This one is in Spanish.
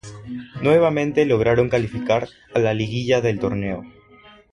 Nuevamente lograron calificar a la liguilla del torneo.